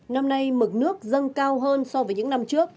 năm nay mực nước dâng cao hơn so với những năm trước